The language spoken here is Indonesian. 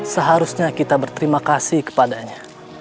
seharusnya kita berterima kasih kepadanya